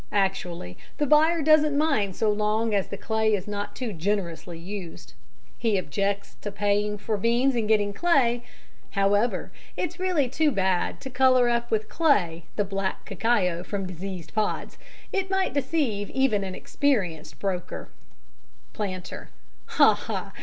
Actually the buyer doesn't mind so long as the clay is not too generously used. He objects to paying for beans and getting clay. However, it's really too bad to colour up with clay the black cacao from diseased pods; it might deceive even experienced brokers. PLANTER: Ha! ha!